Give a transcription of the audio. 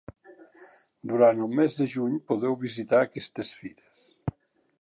Durant el mes de juny podeu visitar aquestes fires.